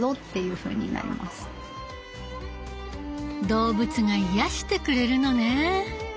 動物が癒やしてくれるのね。